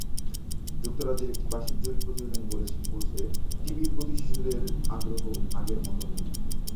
যুক্তরাজ্যের একটি বার্ষিক জরিপ প্রতিবেদন বলছে, টিভির প্রতি শিশুদের আগ্রহ আগের মতো নেই।